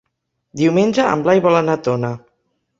Diumenge en Blai vol anar a Tona.